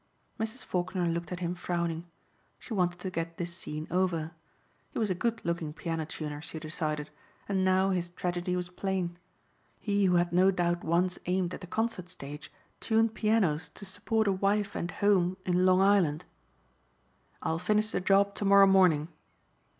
Mrs. Faulkner looked at him frowning. She wanted to get this scene over. He was a good looking piano tuner, she decided, and now his tragedy was plain. He who had no doubt once aimed at the concert stage tuned pianos to support a wife and home in Long Island! "I'll finish the job to morrow morning."